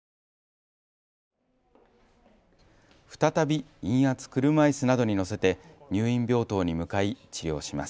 再び、陰圧車いすなどに乗せて入院病棟に向かい、治療します。